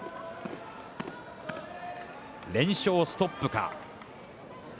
連勝ストップか。